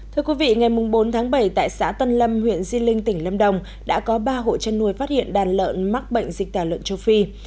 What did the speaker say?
thưa quý vị ngày bốn tháng bảy tại xã tân lâm huyện di linh tỉnh lâm đồng đã có ba hộ chăn nuôi phát hiện đàn lợn mắc bệnh dịch tả lợn châu phi